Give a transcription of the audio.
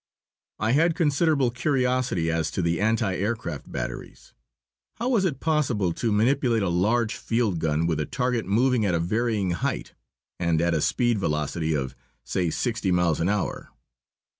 I had considerable curiosity as to the anti aircraft batteries. How was it possible to manipulate a large field gun, with a target moving at a varying height, and at a speed velocity of, say, sixty miles an hour?